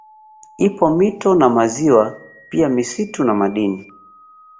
Ipo mito na maziwa pia misitu na madini